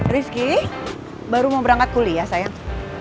rizky baru mau berangkat kuliah sayang